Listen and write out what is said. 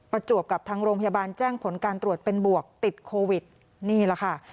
จวบกับทางโรงพยาบาลแจ้งผลการตรวจเป็นบวกติดโควิดนี่แหละค่ะ